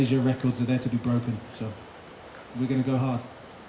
jadi kita akan berusaha dengan keras